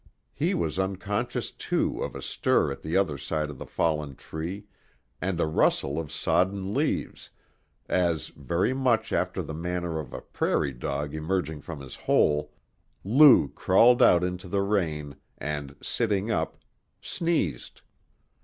He was unconscious, too, of a stir at the other side of the fallen tree and a rustle of sodden leaves, as, very much after the manner of a prairie dog emerging from his hole, Lou crawled out into the rain, and sitting up, sneezed.